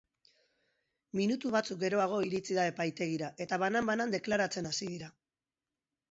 Minutu batzuk geroago iritsi da epaitegira, eta banan-banan deklaratzen hasi dira.